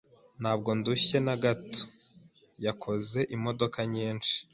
Ntabwo ndushye na gato. yakoze imodoka nyinshi.